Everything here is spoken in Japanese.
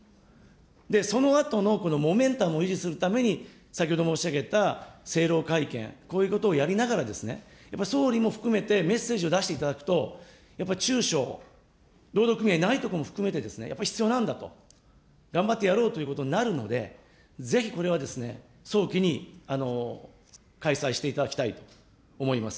そのあとのモメンタムを維持するために、先ほど申し上げた政労会見、こういうことをやりながら、やっぱり総理も含めてメッセージを出していただくと、やっぱり中小、労働組合ないところも含めてですね、やっぱり必要なんだと、頑張ってやろうということになるので、ぜひこれは早期に開催していただきたいと思います。